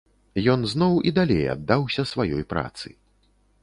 Ён зноў і далей аддаўся сваёй працы.